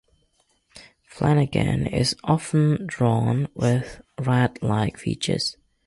Flannegan is often drawn with rat-like features.